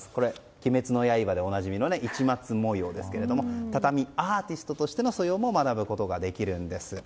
「鬼滅の刃」でおなじみの市松模様ですけども畳アーティストとしての素養も学ぶことができるんです。